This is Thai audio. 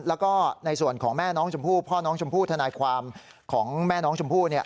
แล้วก็ในส่วนของแม่น้องชมพู่พ่อน้องชมพู่ทนายความของแม่น้องชมพู่